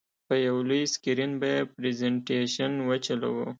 په یو لوی سکرین به یې پرزینټېشن وچلوو.